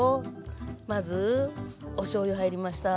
まずおしょうゆ入りました。